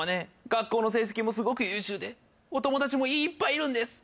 学校の成績もすごく優秀でお友達もいーっぱいいるんです